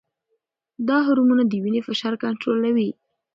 دا هرمونونه د وینې فشار کنټرولوي.